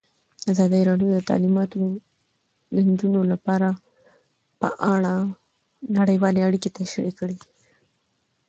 ازادي راډیو د تعلیمات د نجونو لپاره په اړه نړیوالې اړیکې تشریح کړي.